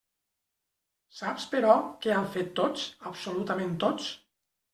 Saps, però, què han fet tots, absolutament tots?